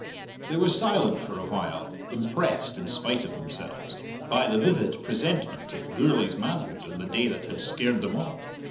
They were silent for a while, impressed, in spite of themselves, by the vivid presentment of Gourlay's manhood on the day that had scared them all.